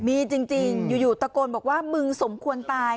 มีจริงอยู่ตะโกนบอกว่ามึงสมควรตาย